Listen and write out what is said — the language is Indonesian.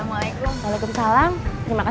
nikah itu bukan perkara main main